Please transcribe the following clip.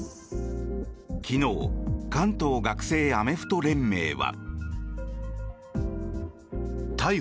昨日関東学生アメフト連盟は。